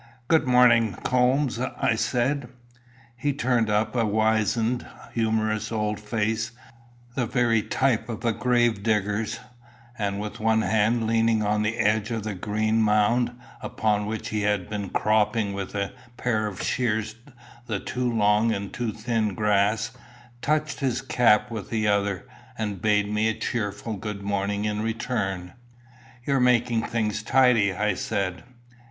"Good morning, Coombes," I said. He turned up a wizened, humorous old face, the very type of a gravedigger's, and with one hand leaning on the edge of the green mound, upon which he had been cropping with a pair of shears the too long and too thin grass, touched his cap with the other, and bade me a cheerful good morning in return. "You're making things tidy," I said.